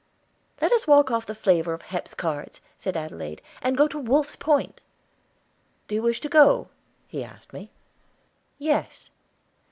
"Let us walk off the flavor of Hep's cards," said Adelaide, "and go to Wolf's Point." "Do you wish to go?" he asked me. "Yes."